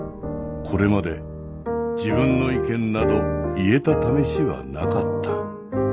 これまで自分の意見など言えたためしはなかった。